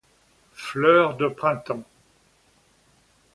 Fleurs de Printemps.